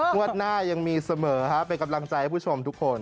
งวดหน้ายังมีเสมอเป็นกำลังใจให้ผู้ชมทุกคน